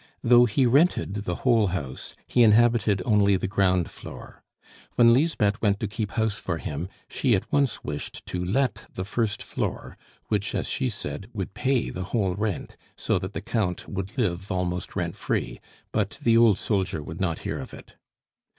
Though he rented the whole house, he inhabited only the ground floor. When Lisbeth went to keep house for him, she at once wished to let the first floor, which, as she said, would pay the whole rent, so that the Count would live almost rent free; but the old soldier would not hear of it.